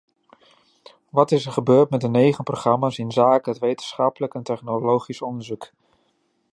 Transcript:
Wat is er gebeurd met de negen programma's inzake het wetenschappelijk en technologisch onderzoek?